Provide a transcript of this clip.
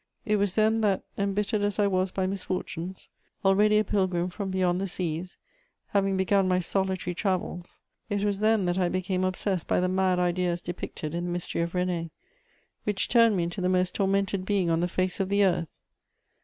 It was then that, embittered as I was by misfortunes, already a pilgrim from beyond the seas, having begun my solitary travels, it was then that I became obsessed by the mad ideas depicted in the mystery of René, which turned me into the most tormented being on the face of the earth.